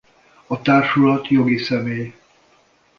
A társulat jogi személy.